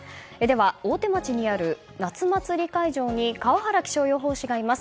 大手町にある夏祭り会場に川原気象予報士がいます。